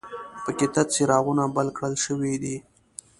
په کې تت څراغونه بل کړل شوي دي.